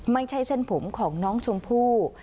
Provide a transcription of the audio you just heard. ไม่ใช่เส้นผมของน้องชมพู่